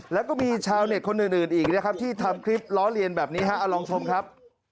แล้วก็มีชาวเน็ตคนอื่นอีกนะครับที่ทำคลิปล้อเลียนแบบนี้ฮะเอาลองชมครับ